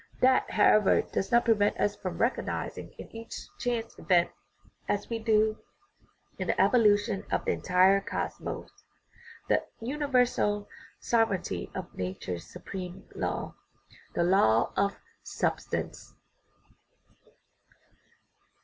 That, however, does not prevent us from recognizing in each " chance" event, as we do in the evolution of the entire cosmos, the universal sovereignty of nat ure's supreme law, the law of substance.